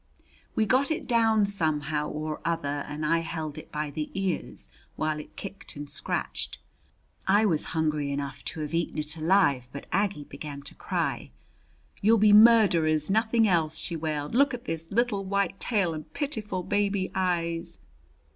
We got it down somehow or other and I held it by the ears while it kicked and scratched. I was hungry enough to have eaten it alive, but Aggie began to cry. "You'll be murderers, nothing else," she wailed. "Look at his little white tail and pitiful baby eyes!"